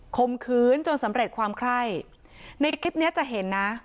คมคืนจนสำเร็จความไคร้ในคลิปเนี้ยจะเห็นนะ